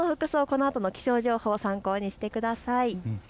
このあとの気象情報を参考にしてください。